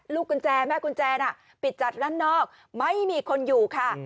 กุญแจแม่กุญแจน่ะปิดจัดด้านนอกไม่มีคนอยู่ค่ะ